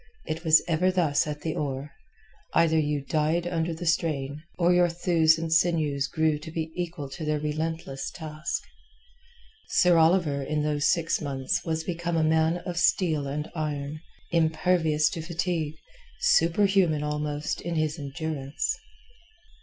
It was ever thus at the oar. Either you died under the strain, or your thews and sinews grew to be equal to their relentless task. Sir Oliver in those six months was become a man of steel and iron, impervious to fatigue, superhuman almost in his endurance.